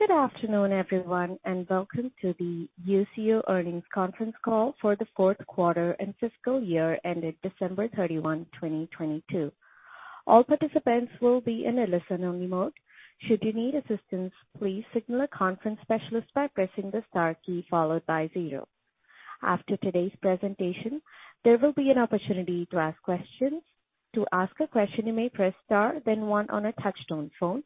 Good afternoon, everyone, and welcome to the Usio earnings conference call for the fourth quarter and fiscal year ended December 31, 2022. All participants will be in a listen-only mode. Should you need assistance, please signal a conference specialist by pressing the star key followed by zero. After today's presentation, there will be an opportunity to ask questions. To ask a question, you may press star then one on a touch-tone phone.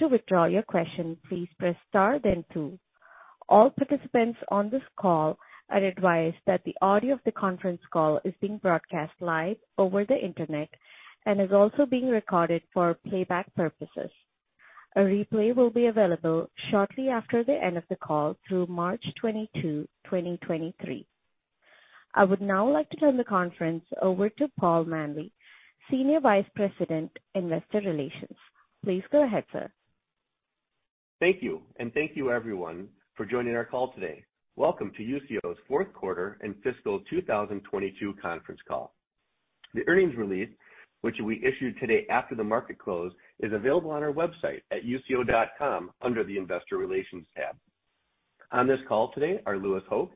To withdraw your question, please press star then two. All participants on this call are advised that the audio of the conference call is being broadcast live over the Internet and is also being recorded for playback purposes. A replay will be available shortly after the end of the call through March 22, 2023. I would now like to turn the conference over to Paul Manley, Senior Vice President, Investor Relations. Please go ahead, sir. Thank you. Thank you everyone for joining our call today. Welcome to Usio's fourth quarter and fiscal 2022 conference call. The earnings release, which we issued today after the market close, is available on our website at usio.com under the Investor Relations tab. On this call today are Louis Hoch,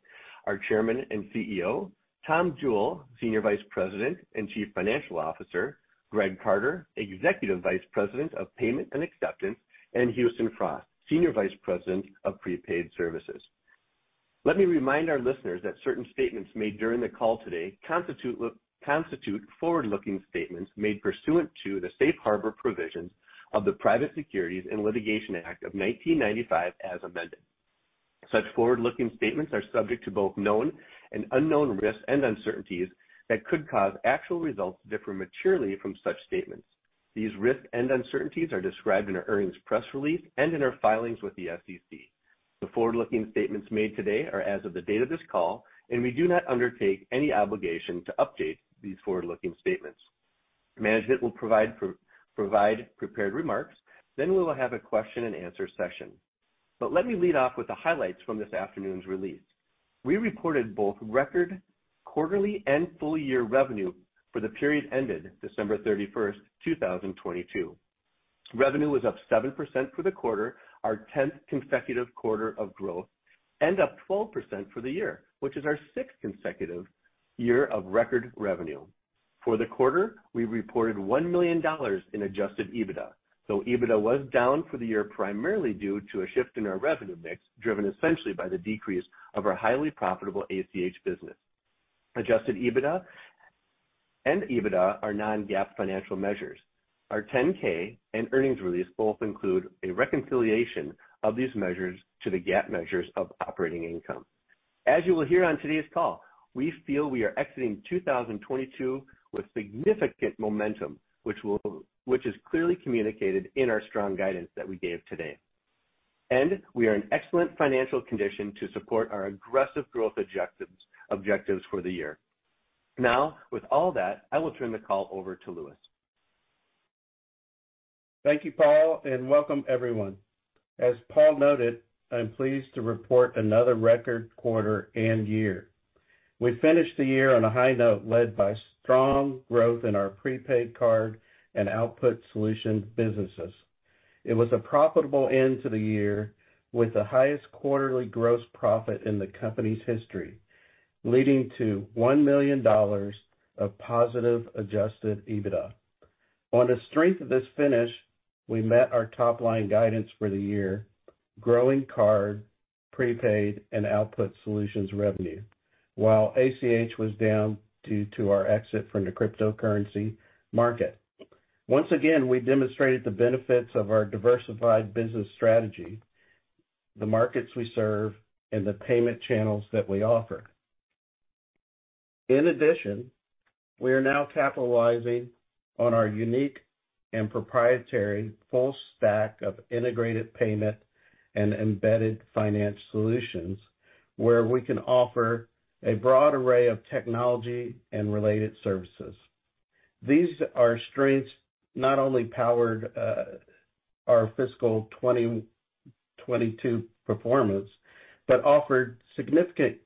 our Chairman and CEO, Tom Jewell, Senior Vice President and Chief Financial Officer, Greg Carter, Executive Vice President of Payment and Acceptance, and Houston Frost, Senior Vice President of Prepaid Services. Let me remind our listeners that certain statements made during the call today constitute forward-looking statements made pursuant to the Safe Harbor Provisions of the Private Securities Litigation Reform Act of 1995 as amended. Such forward-looking statements are subject to both known and unknown risks and uncertainties that could cause actual results to differ materially from such statements. These risks and uncertainties are described in our earnings press release and in our filings with the SEC. The forward-looking statements made today are as of the date of this call, and we do not undertake any obligation to update these forward-looking statements. Management will provide prepared remarks, then we will have a question-and-answer session. Let me lead off with the highlights from this afternoon's release. We reported both record quarterly and full-year revenue for the period ended December 31st, 2022. Revenue was up 7% for the quarter, our 10th consecutive quarter of growth, and up 12% for the year, which is our sixth consecutive year of record revenue. For the quarter, we reported $1 million in adjusted EBITDA, though EBITDA was down for the year primarily due to a shift in our revenue mix, driven essentially by the decrease of our highly profitable ACH business. Adjusted EBITDA and EBITDA are non-GAAP financial measures. Our 10-K and earnings release both include a reconciliation of these measures to the GAAP measures of operating income. As you will hear on today's call, we feel we are exiting 2022 with significant momentum, which is clearly communicated in our strong guidance that we gave today. We are in excellent financial condition to support our aggressive growth objectives for the year. Now, with all that, I will turn the call over to Louis. Thank you, Paul. Welcome everyone. As Paul noted, I'm pleased to report another record quarter and year. We finished the year on a high note led by strong growth in our prepaid card and Output Solutions businesses. It was a profitable end to the year with the highest quarterly gross profit in the company's history, leading to $1 million of positive adjusted EBITDA. On the strength of this finish, we met our top-line guidance for the year, growing card, prepaid, and Output Solutions revenue, while ACH was down due to our exit from the cryptocurrency market. Once again, we demonstrated the benefits of our diversified business strategy, the markets we serve, and the payment channels that we offer. In addition, we are now capitalizing on our unique and proprietary full stack of integrated payment and embedded finance solutions, where we can offer a broad array of technology and related services. These are strengths not only powered our fiscal 2022 performance but offered significant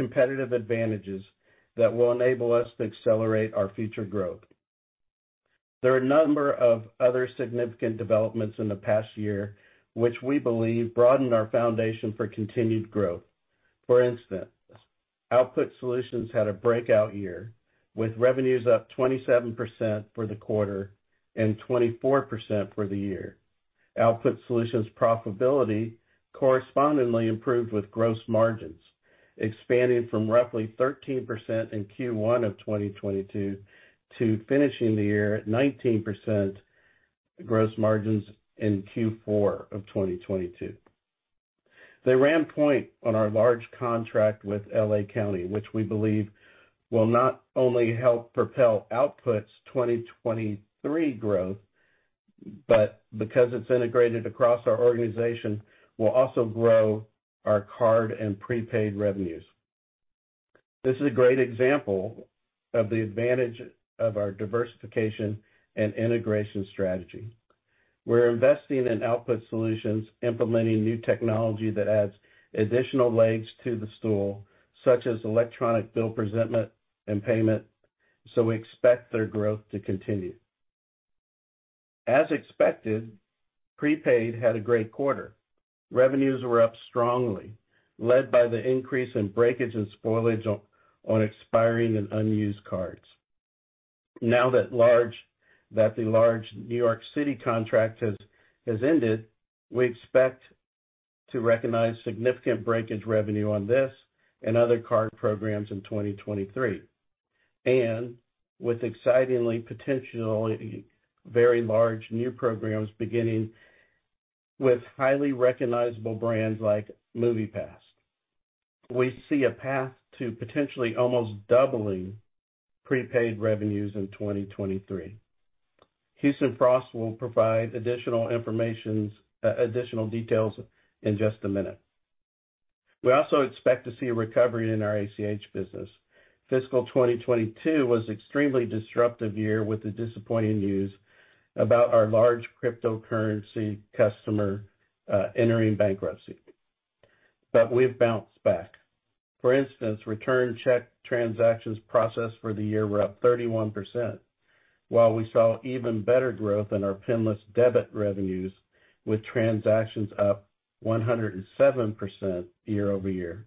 competitive advantages that will enable us to accelerate our future growth. There are a number of other significant developments in the past year which we believe broaden our foundation for continued growth. For instance, Output Solutions had a breakout year, with revenues up 27% for the quarter and 24% for the year. Output Solutions' profitability correspondingly improved with gross margins, expanding from roughly 13% in Q1 of 2022 to finishing the year at 19% gross margins in Q4 of 2022. They ran point on our large contract with L.A. County, which we believe will not only help propel Output's 2023 growth, but because it's integrated across our organization, will also grow our card and prepaid revenues. This is a great example of the advantage of our diversification and integration strategy. We're investing in Output Solutions, implementing new technology that adds additional legs to the stool, such as electronic bill presentment and payment. We expect their growth to continue. As expected, prepaid had a great quarter. Revenues were up strongly, led by the increase in breakage and spoilage on expiring and unused cards. Now that the large New York City contract has ended, we expect to recognize significant breakage revenue on this and other card programs in 2023. With excitingly potential very large new programs beginning with highly recognizable brands like MoviePass. We see a path to potentially almost doubling prepaid revenues in 2023. Houston Frost will provide additional information, additional details in just a minute. We also expect to see a recovery in our ACH business. Fiscal 2022 was extremely disruptive year with the disappointing news about our large cryptocurrency customer entering bankruptcy. We've bounced back. For instance, return check transactions processed for the year were up 31%, while we saw even better growth in our pinless debit revenues with transactions up 107% year-over-year.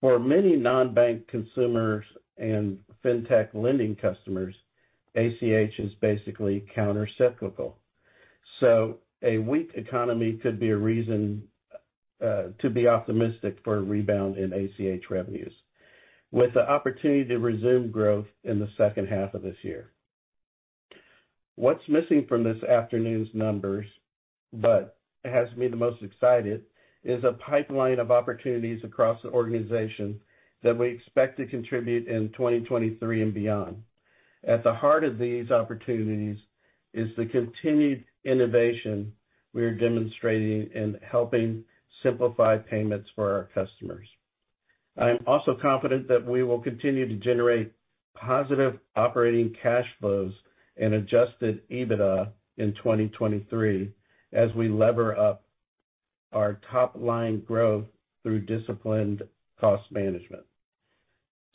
For many non-bank consumers and fintech lending customers, ACH is basically counter-cyclical. A weak economy could be a reason to be optimistic for a rebound in ACH revenues, with the opportunity to resume growth in the second half of this year. What's missing from this afternoon's numbers, but has me the most excited, is a pipeline of opportunities across the organization that we expect to contribute in 2023 and beyond. At the heart of these opportunities is the continued innovation we are demonstrating in helping simplify payments for our customers. I am also confident that we will continue to generate positive operating cash flows and adjusted EBITDA in 2023 as we lever up our top-line growth through disciplined cost management.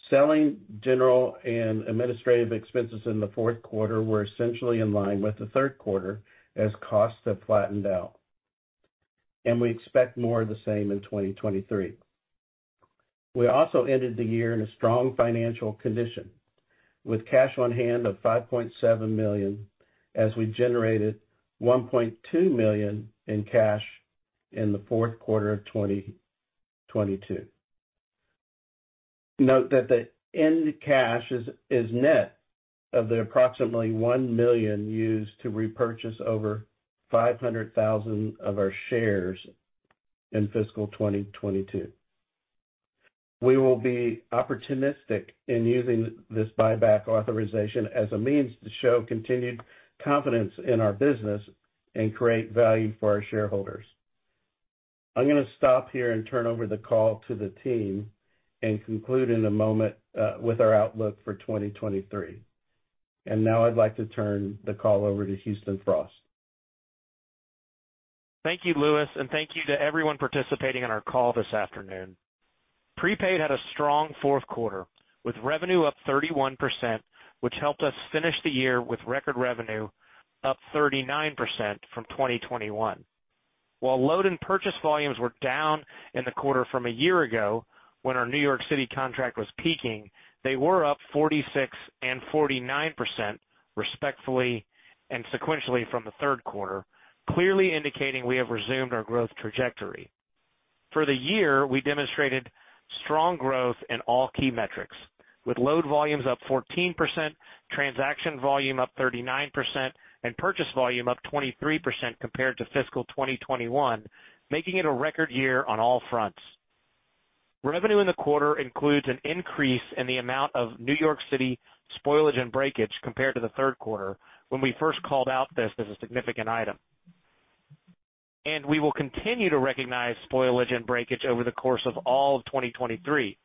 Selling general and administrative expenses in the fourth quarter were essentially in line with the third quarter as costs have flattened out. We expect more of the same in 2023. We also ended the year in a strong financial condition with cash on hand of $5.7 million as we generated $1.2 million in cash in the fourth quarter of 2022. Note that the end cash is net of the approximately $1 million used to repurchase over 500,000 of our shares in fiscal 2022. We will be opportunistic in using this buyback authorization as a means to show continued confidence in our business and create value for our shareholders. I'm gonna stop here and turn over the call to the team and conclude in a moment with our outlook for 2023. Now I'd like to turn the call over to Houston Frost. Thank you, Louis, and thank you to everyone participating on our call this afternoon. Prepaid had a strong fourth quarter, with revenue up 31%, which helped us finish the year with record revenue up 39% from 2021. While load and purchase volumes were down in the quarter from a year ago when our New York City contract was peaking, they were up 46% and 49% respectively and sequentially from the third quarter, clearly indicating we have resumed our growth trajectory. For the year, we demonstrated strong growth in all key metrics, with load volumes up 14%, transaction volume up 39%, and purchase volume up 23% compared to fiscal 2021, making it a record year on all fronts. Revenue in the quarter includes an increase in the amount of New York City spoilage and breakage compared to the third quarter when we first called out this as a significant item. We will continue to recognize spoilage and breakage over the course of all of 2023.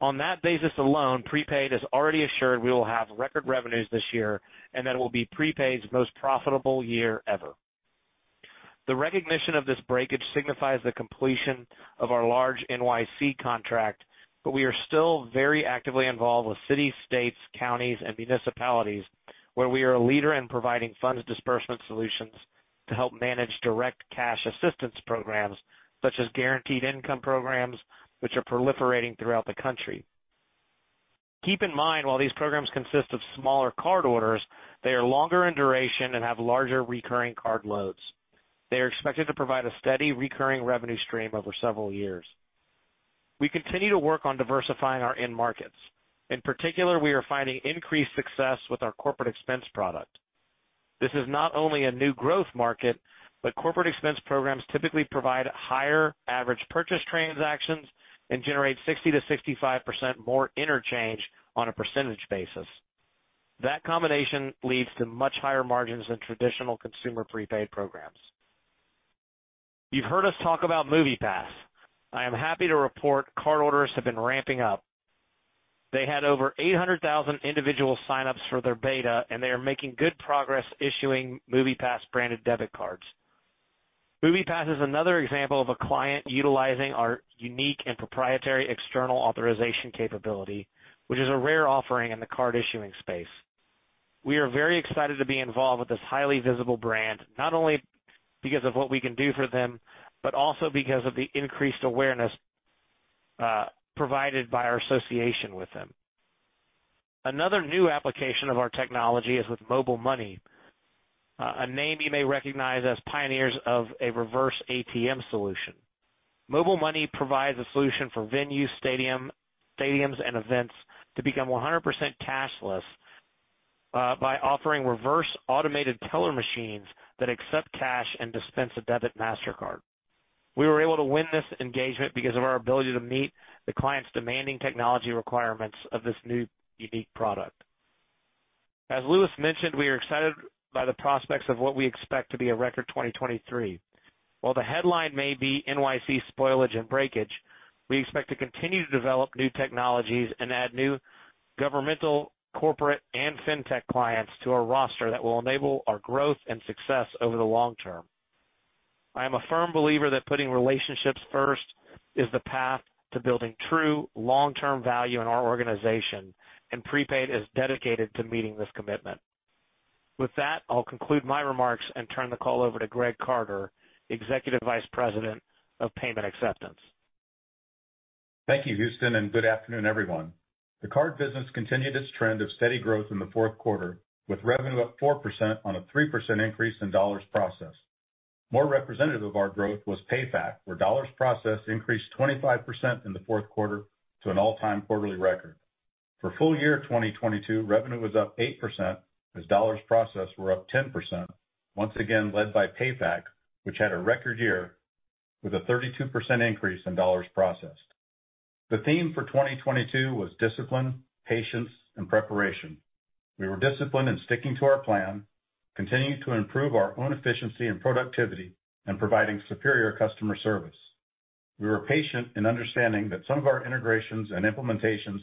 On that basis alone, Prepaid has already assured we will have record revenues this year and that it will be Prepaid's most profitable year ever. The recognition of this breakage signifies the completion of our large NYC contract. We are still very actively involved with cities, states, counties, and municipalities where we are a leader in providing funds disbursement solutions to help manage direct cash assistance programs such as guaranteed income programs which are proliferating throughout the country. Keep in mind while these programs consist of smaller card orders, they are longer in duration and have larger recurring card loads. They are expected to provide a steady recurring revenue stream over several years. We continue to work on diversifying our end markets. In particular, we are finding increased success with our corporate expense product. This is not only a new growth market, but corporate expense programs typically provide higher average purchase transactions and generate 60%-65% more interchange on a percentage basis. That combination leads to much higher margins than traditional consumer prepaid programs. You've heard us talk about MoviePass. I am happy to report card orders have been ramping up. They had over 800,000 individual sign-ups for their beta, and they are making good progress issuing MoviePass branded debit cards. MoviePass is another example of a client utilizing our unique and proprietary external authorization capability, which is a rare offering in the card issuing space. We are very excited to be involved with this highly visible brand, not only because of what we can do for them, but also because of the increased awareness provided by our association with them. Another new application of our technology is with MobileMoney, a name you may recognize as pioneers of a reverse ATM solution. MobileMoney provides a solution for venue stadiums and events to become 100% cashless by offering reverse automated teller machines that accept cash and dispense a debit Mastercard. We were able to win this engagement because of our ability to meet the client's demanding technology requirements of this new unique product. As Louis mentioned, we are excited by the prospects of what we expect to be a record 2023. While the headline may be NYC spoilage and breakage, we expect to continue to develop new technologies and add new governmental, corporate and fintech clients to our roster that will enable our growth and success over the long term. I am a firm believer that putting relationships first is the path to building true long-term value in our organization, and Prepaid is dedicated to meeting this commitment. With that, I'll conclude my remarks and turn the call over to Greg Carter, Executive Vice President of Payment Acceptance. Thank you, Houston, and good afternoon, everyone. The card business continued its trend of steady growth in the fourth quarter, with revenue up 4% on a 3% increase in dollars processed. More representative of our growth was PayFac, where dollars processed increased 25% in the fourth quarter to an all-time quarterly record. For full year 2022, revenue was up 8% as dollars processed were up 10%, once again led by PayFac, which had a record year with a 32% increase in dollars processed. The theme for 2022 was discipline, patience, and preparation. We were disciplined in sticking to our plan, continuing to improve our own efficiency and productivity, and providing superior customer service. We were patient in understanding that some of our integrations and implementations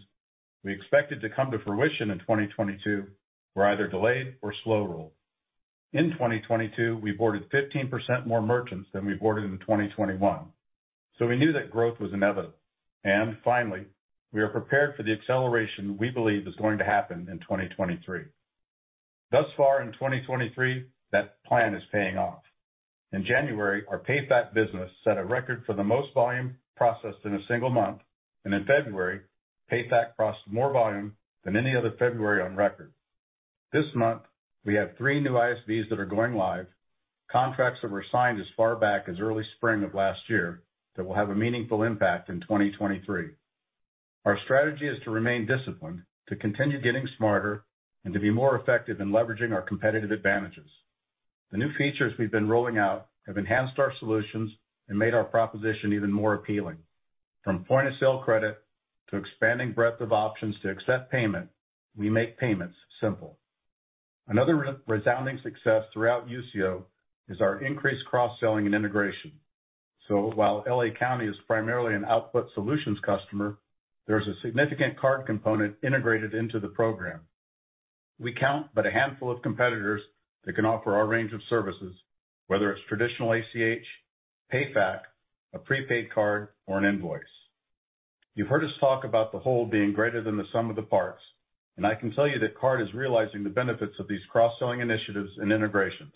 we expected to come to fruition in 2022 were either delayed or slow rolled. In 2022, we boarded 15% more merchants than we boarded in 2021. We knew that growth was inevitable. Finally, we are prepared for the acceleration we believe is going to happen in 2023. Thus far in 2023, that plan is paying off. In January, our PayFac business set a record for the most volume processed in a single month, and in February, PayFac processed more volume than any other February on record. This month, we have three new ISVs that are going live, contracts that were signed as far back as early spring of last year that will have a meaningful impact in 2023. Our strategy is to remain disciplined, to continue getting smarter, and to be more effective in leveraging our competitive advantages. The new features we've been rolling out have enhanced our solutions and made our proposition even more appealing. From point-of-sale credit to expanding breadth of options to accept payment, we make payments simple. Another resounding success throughout Usio is our increased cross-selling and integration. While L.A. County is primarily an Output Solutions customer, there's a significant card component integrated into the program. We count but a handful of competitors that can offer our range of services, whether it's traditional ACH, PayFac, a prepaid card, or an invoice. You've heard us talk about the whole being greater than the sum of the parts, I can tell you that card is realizing the benefits of these cross-selling initiatives and integrations.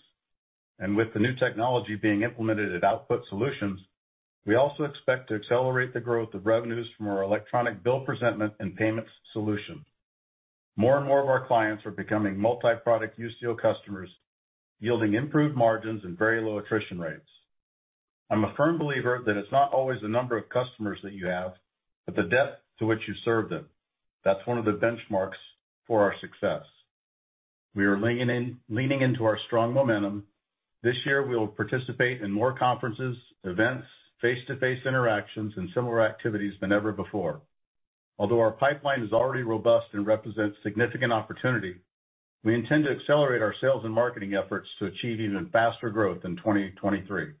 With the new technology being implemented at Output Solutions, we also expect to accelerate the growth of revenues from our electronic bill presentment and payment solutions. More and more of our clients are becoming multi-product Usio customers, yielding improved margins and very low attrition rates. I'm a firm believer that it's not always the number of customers that you have, but the depth to which you serve them. That's one of the benchmarks for our success. We are leaning in, leaning into our strong momentum. This year, we'll participate in more conferences, events, face-to-face interactions, and similar activities than ever before. Although our pipeline is already robust and represents significant opportunity, we intend to accelerate our sales and marketing efforts to achieve even faster growth in 2023.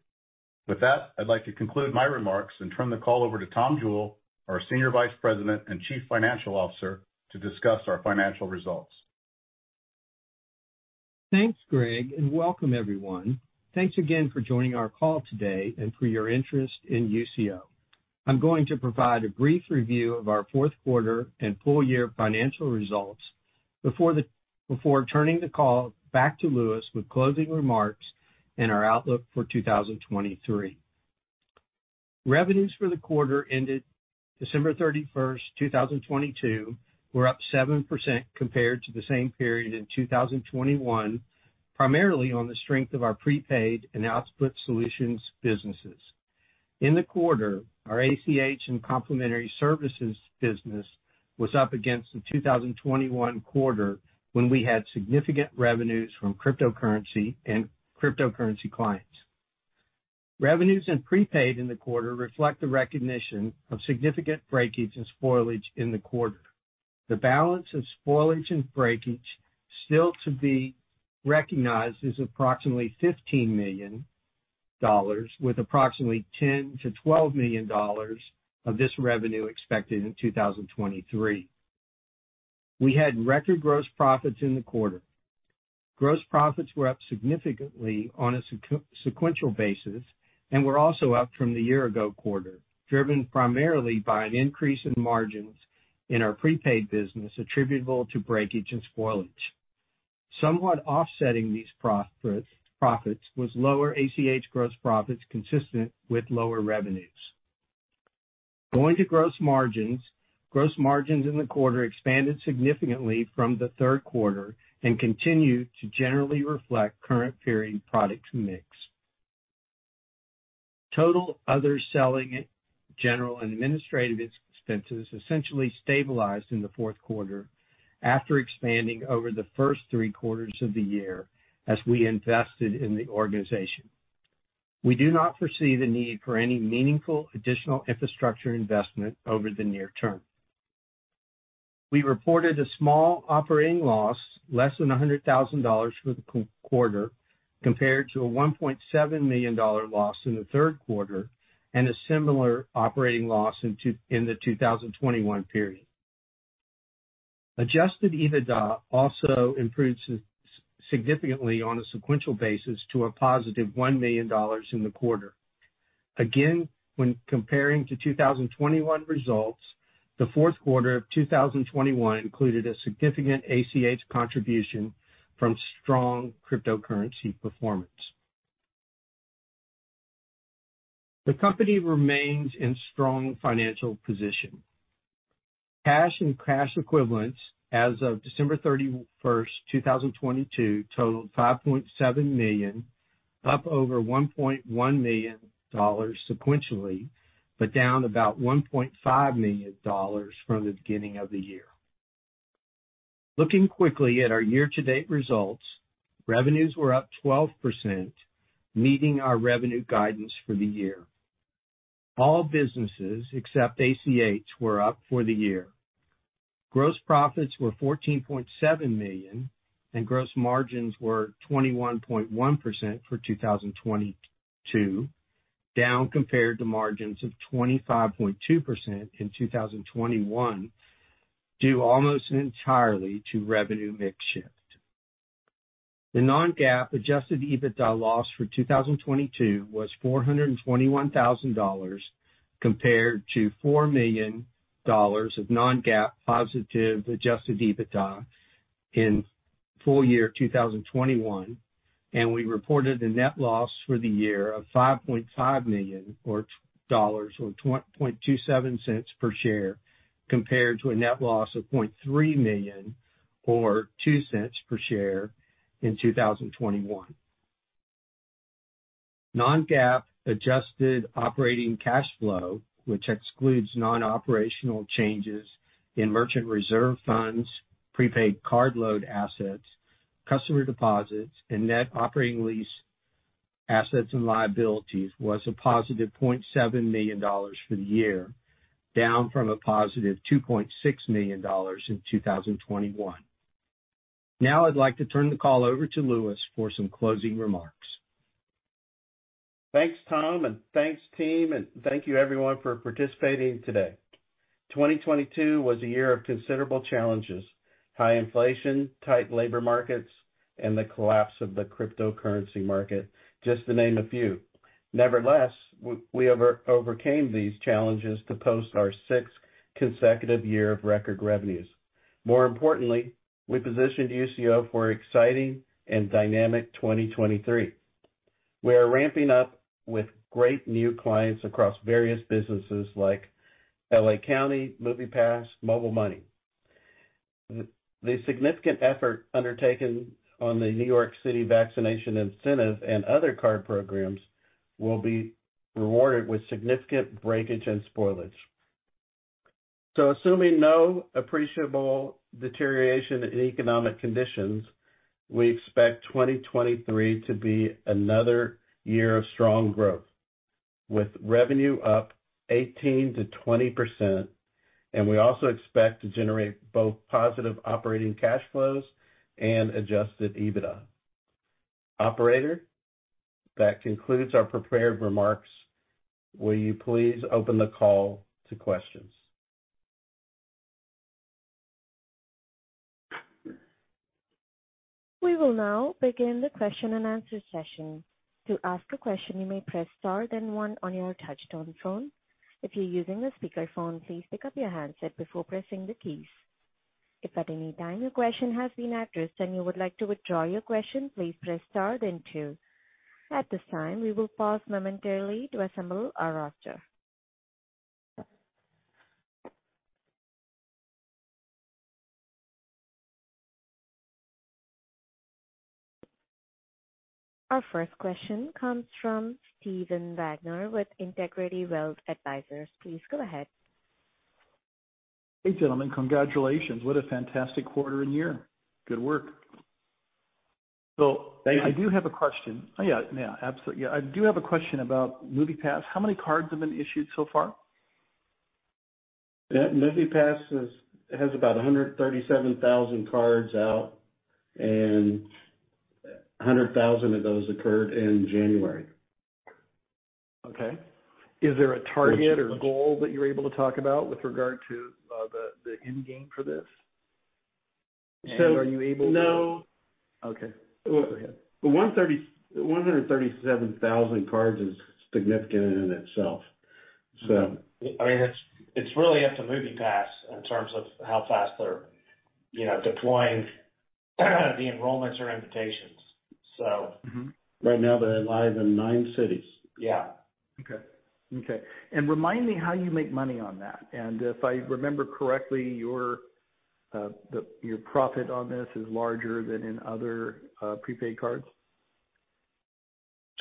With that, I'd like to conclude my remarks and turn the call over to Tom Jewell, our Senior Vice President and Chief Financial Officer, to discuss our financial results. Thanks, Greg, and welcome everyone. Thanks again for joining our call today and for your interest in Usio. I'm going to provide a brief review of our fourth quarter and full year financial results before turning the call back to Louis with closing remarks and our outlook for 2023. Revenues for the quarter ended December 31st, 2022 were up 7% compared to the same period in 2021, primarily on the strength of our prepaid and Output Solutions businesses. In the quarter, our ACH and complementary services business was up against the 2021 quarter when we had significant revenues from cryptocurrency and cryptocurrency clients. Revenues and prepaid in the quarter reflect the recognition of significant breakage and spoilage in the quarter. The balance of spoilage and breakage still to be recognized is approximately $15 million, with approximately $10 million-$12 million of this revenue expected in 2023. We had record gross profits in the quarter. Gross profits were up significantly on a sequential basis and were also up from the year ago quarter, driven primarily by an increase in margins in our prepaid business attributable to breakage and spoilage. Somewhat offsetting these profits was lower ACH gross profits consistent with lower revenues. Going to gross margins. Gross margins in the quarter expanded significantly from the third quarter and continue to generally reflect current period product mix. Total other selling, general and administrative expenses essentially stabilized in the fourth quarter after expanding over the first three quarters of the year as we invested in the organization. We do not foresee the need for any meaningful additional infrastructure investment over the near term. We reported a small operating loss, less than $100,000 for the quarter, compared to a $1.7 million loss in the third quarter and a similar operating loss in the 2021 period. Adjusted EBITDA also improved significantly on a sequential basis to a +$1 million in the quarter. When comparing to 2021 results, the fourth quarter of 2021 included a significant ACH contribution from strong cryptocurrency performance. The company remains in strong financial position. Cash and cash equivalents as of December 31st, 2022 totaled $5.7 million, up over $1.1 million sequentially, but down about $1.5 million from the beginning of the year. Looking quickly at our year-to-date results, revenues were up 12%, meeting our revenue guidance for the year. All businesses, except ACH, were up for the year. Gross profits were $14.7 million, and gross margins were 21.1% for 2022, down compared to margins of 25.2% in 2021, due almost entirely to revenue mix shift. The non-GAAP adjusted EBITDA loss for 2022 was $421,000, compared to $4 million of non-GAAP positive adjusted EBITDA in full year 2021. We reported a net loss for the year of $5.5 million or $0.27 per share, compared to a net loss of $300,000 or $0.02 per share in 2021. Non-GAAP adjusted operating cash flow, which excludes non-operational changes in merchant reserve funds, prepaid card load assets, customer deposits, and net operating lease assets and liabilities, was a +$0.7 million for the year, down from a +$2.6 million in 2021. I'd like to turn the call over to Louis for some closing remarks. Thanks, Tom, and thanks, team, and thank you everyone for participating today. 2022 was a year of considerable challenges: high inflation, tight labor markets, and the collapse of the cryptocurrency market, just to name a few. Nevertheless, we overcame these challenges to post our sixth consecutive year of record revenues. More importantly, we positioned Usio for exciting and dynamic 2023. We are ramping up with great new clients across various businesses like L.A. County, MoviePass, MobileMoney. The significant effort undertaken on the New York City vaccination incentive and other card programs will be rewarded with significant breakage and spoilage. Assuming no appreciable deterioration in economic conditions, we expect 2023 to be another year of strong growth, with revenue up 18%-20%, and we also expect to generate both positive operating cash flows and adjusted EBITDA. Operator, that concludes our prepared remarks. Will you please open the call to questions? We will now begin the question and answer session. To ask a question, you may press star then one on your touchtone phone. If you're using a speakerphone, please pick up your handset before pressing the keys. If at any time your question has been addressed and you would like to withdraw your question, please press star then two. At this time, we will pause momentarily to assemble our roster. Our first question comes from Stephen Wagner with Integrity Wealth Advisors. Please go ahead. Hey, gentlemen. Congratulations. What a fantastic quarter and year. Good work. Thank you. I do have a question. Yeah. Yeah, absolutely. I do have a question about MoviePass. How many cards have been issued so far? MoviePass has about 137,000 cards out, and 100,000 of those occurred in January. Okay. Is there a target or goal that you're able to talk about with regard to, the end game for this? No. Okay. Go ahead. 137,000 cards is significant in itself, so. I mean, it's really up to MoviePass in terms of how fast they're, you know, deploying the enrollments or invitations, so. Mm-hmm. Right now they're live in nine cities. Yeah. Okay. Okay. Remind me how you make money on that. If I remember correctly, your your profit on this is larger than in other prepaid cards.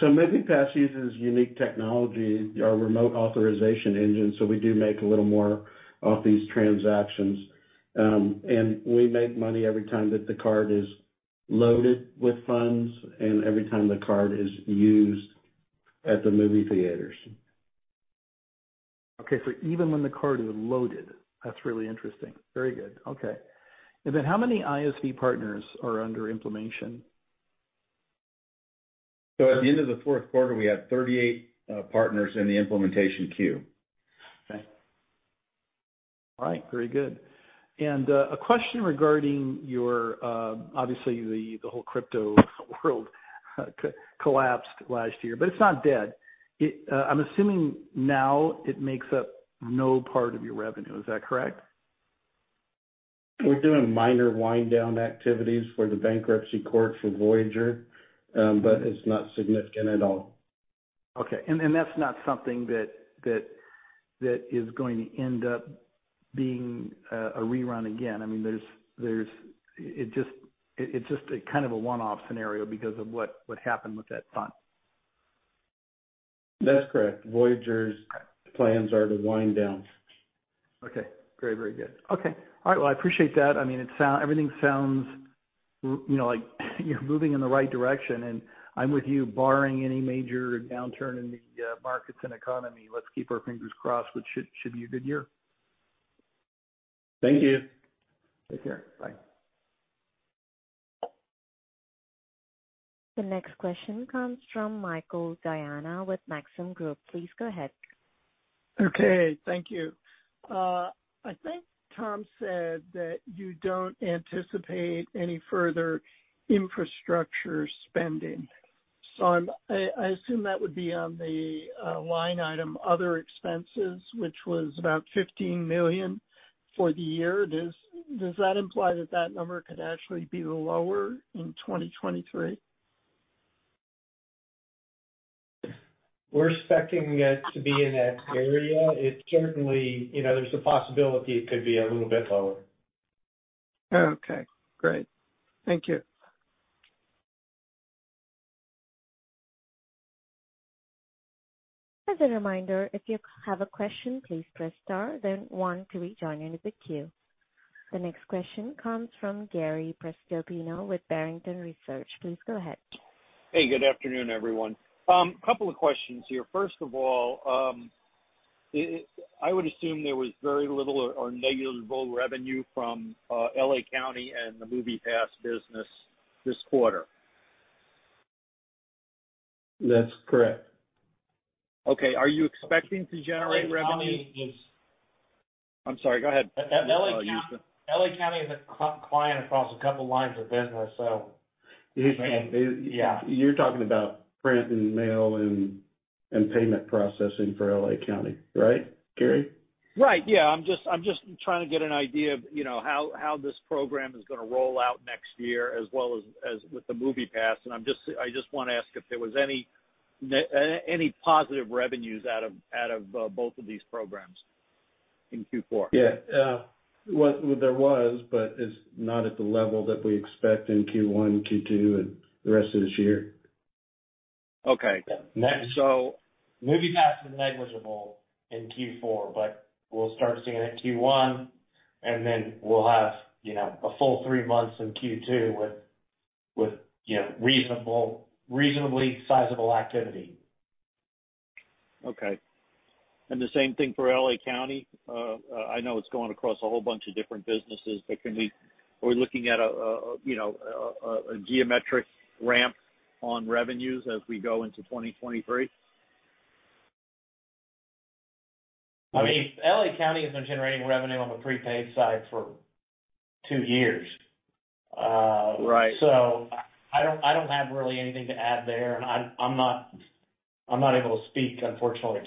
MoviePass uses unique technology, our remote authorization engine, so we do make a little more off these transactions. We make money every time that the card is loaded with funds and every time the card is used at the movie theaters. Even when the card is loaded. That's really interesting. Very good. How many ISV partners are under implementation? At the end of the fourth quarter, we had 38 partners in the implementation queue. Okay. All right. Very good. A question regarding your... obviously the whole crypto world collapsed last year, but it's not dead. It... I'm assuming now it makes up no part of your revenue. Is that correct? We're doing minor wind down activities for the bankruptcy court for Voyager, but it's not significant at all. Okay. That's not something that is going to end up being a rerun again. I mean, there's... It just, it's just a kind of a one-off scenario because of what happened with that fund. That's correct. Voyager's plans are to wind down. Okay. Very good. Okay. All right. Well, I appreciate that. I mean, everything sounds, you know, like you're moving in the right direction, and I'm with you. Barring any major downturn in the markets and economy, let's keep our fingers crossed, what should be a good year. Thank you. Take care. Bye. The next question comes from Michael Diana with Maxim Group. Please go ahead. Okay. Thank you. I think Tom said that you don't anticipate any further infrastructure spending, so I assume that would be on the line item other expenses, which was about $15 million for the year. Does that imply that that number could actually be lower in 2023? We're expecting it to be in that area. It certainly, you know, there's a possibility it could be a little bit lower. Oh, okay. Great. Thank you. As a reminder, if you have a question, please press star then one to re-join the queue. The next question comes from Gary Prestopino with Barrington Research. Please go ahead. Hey, good afternoon, everyone. Couple of questions here. First of all, I would assume there was very little or negligible revenue from L.A. County and the MoviePass business this quarter. That's correct. Okay. Are you expecting to generate revenue- L.A. County is. I'm sorry, go ahead. L.A. County is a client across a couple lines of business. Yeah. You're talking about print and mail and payment processing for L.A. County, right, Gary? Right. Yeah. I'm just trying to get an idea of, you know, how this program is gonna roll out next year as well as with the MoviePass. I just wanna ask if there was any positive revenues out of both of these programs in Q4. Yeah. Well, there was, but it's not at the level that we expect in Q1, Q2 and the rest of this year. Okay. Next, MoviePass was negligible in Q4, but we'll start seeing it in Q1, and then we'll have, you know, a full three months in Q2 with, you know, reasonable, reasonably sizable activity. Okay. The same thing for L.A. County. I know it's going across a whole bunch of different businesses, are we looking at a, you know, a, a geometric ramp on revenues as we go into 2023? I mean, L.A. County has been generating revenue on the prepaid side for two years. Right. I don't have really anything to add there. I'm not able to speak unfortunately.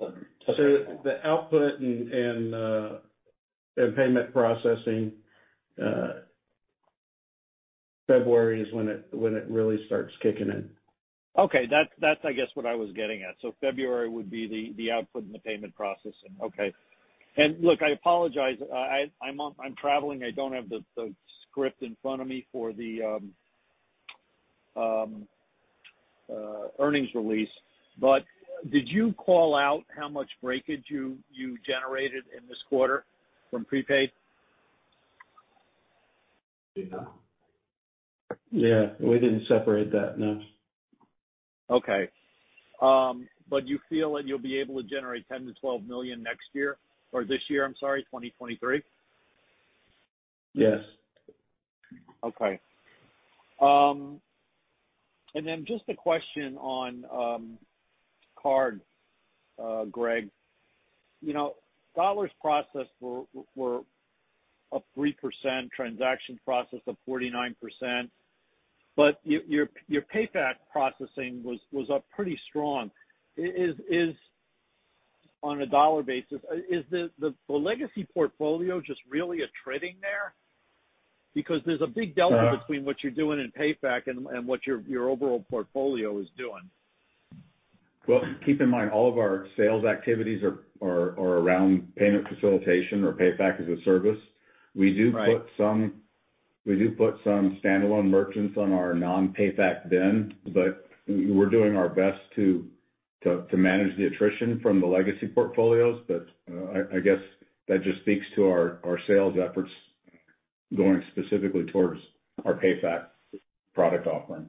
The output and payment processing, February is when it really starts kicking in. Okay. That's I guess what I was getting at. February would be the output and the payment processing. Okay. Look, I apologize. I'm traveling. I don't have the script in front of me for the earnings release. Did you call out how much breakage you generated in this quarter from prepaid? Yeah. We didn't separate that, no. Okay. You feel that you'll be able to generate $10 million-$12 million next year or this year, I'm sorry, 2023? Yes. Okay. Then just a question on card, Greg. You know, dollars processed were up 3%, transaction processed up 49%, but your PayFac processing was up pretty strong. Is, on a dollar basis, is the legacy portfolio just really attriting there? There's a big delta between what you're doing in PayFac and what your overall portfolio is doing. Well, keep in mind, all of our sales activities are around payment facilitation or Payfac-as-a-service. Right. We do put some standalone merchants on our non-PayFac BIN, but we're doing our best to manage the attrition from the legacy portfolios. I guess that just speaks to our sales efforts going specifically towards our PayFac product offering.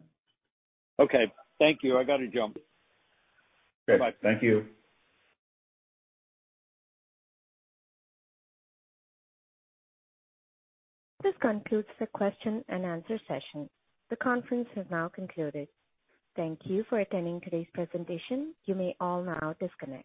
Okay. Thank you. I gotta jump. Okay. Bye. Thank you. This concludes the question and answer session. The conference has now concluded. Thank you for attending today's presentation. You may all now disconnect.